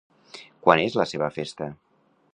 Quan és la seva festa?